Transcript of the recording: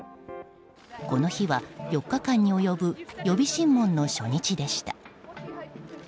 この日は、４日間に及ぶ予備審問の初日でした。